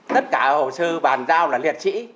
tất cả hồ sơ bàn giao là liệt sĩ